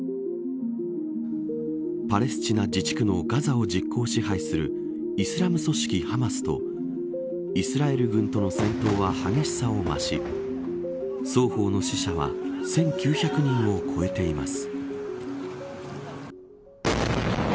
パレスチナ自治区のガザを実効支配するイスラム組織ハマスとイスラエル軍との戦闘は激しさを増し双方の死者は１９００人を超えています。